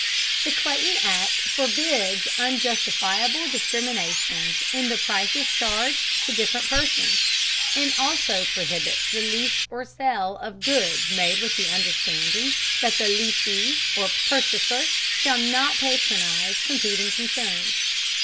The Clayton Act forbids "unjustifiable discriminations in the prices charged to different persons," and also prohibits the lease or sale of goods made with the understanding that the lessee or purchaser shall not patronize competing concerns.